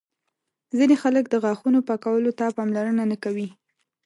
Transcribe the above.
ځینې خلک د غاښونو پاکولو ته پاملرنه نه کوي.